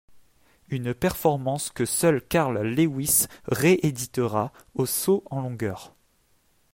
Une performance que seul Carl Lewis rééditera au saut en longueur.